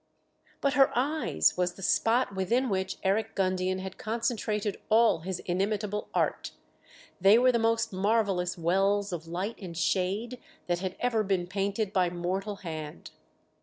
But her eyes was the spot within which Eric Gundian had concentrated all his inimitable art: they were the most marvellous wells of light and shade that had ever been painted by mortal hand.